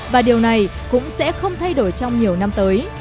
và điều này cũng sẽ không thay đổi trong nhiều năm tới